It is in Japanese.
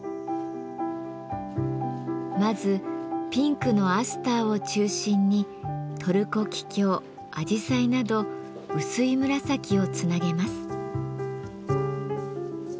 まずピンクのアスターを中心にトルコキキョウアジサイなど薄い紫をつなげます。